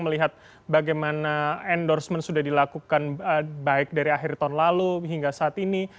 melihat bagaimana endorsement sudah dilakukan baik dari akhir tahun lalu hingga saat ini